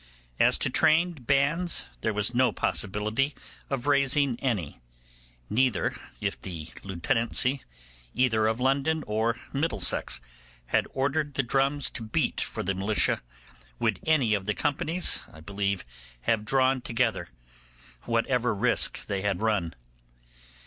As to trained bands, there was no possibility of raising any; neither, if the Lieutenancy, either of London or Middlesex, had ordered the drums to beat for the militia, would any of the companies, I believe, have drawn together, whatever risk they had run.